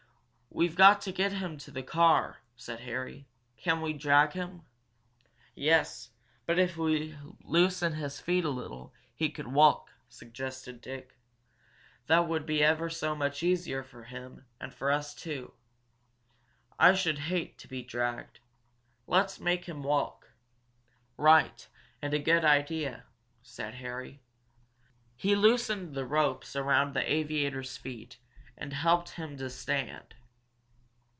"We've got to get him to the car," said Harry. "Can we drag him?" "Yes. But if we loosen his feet a little, he could walk," suggested Dick. "That would be ever so much easier for him, and for us too. I should hate to be dragged. Let's make him walk." "Right and a good idea!" said Harry. He loosened the ropes about the aviator's feet, and helped him to stand.